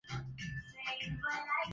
Fulusi wacha uchoyo, tatua yalonifika,